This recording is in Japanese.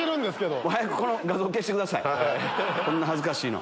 こんな恥ずかしいの。